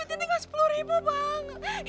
ini tinggal sepuluh ribu bang